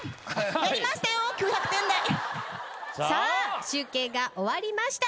さあ集計が終わりました。